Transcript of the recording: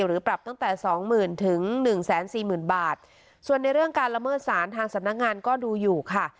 หรือปรับตั้งแต่สองหมื่นถึงหนึ่งแสนสี่หมื่นบาทส่วนในเรื่องการละเมิดสารทางสำนักงานก็ดูอยู่ค่ะ